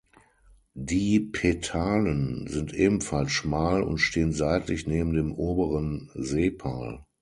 Die Petalen sind ebenfalls schmal und stehen seitlich neben dem oberen Sepal.